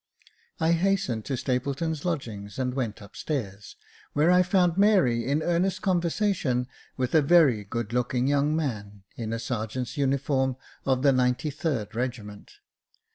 I hastened to Stapleton's lodgings, and went upstairs, where I found Mary in earnest conversation with a very good looking young man, in a sergeant's uniform of the 93rd Regiment.